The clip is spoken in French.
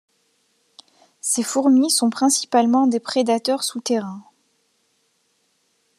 Ces fourmis sont principalement des prédateurs souterrains.